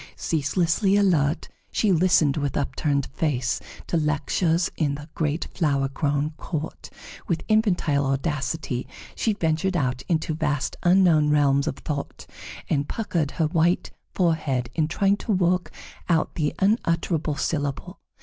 Ceaselessly alert, she listened with upturned face to lectures in the great flower grown court; with infantile audacity she ventured out into vast unknown realms of thought, and puckered her white forehead in trying to work out the unutterable syllable.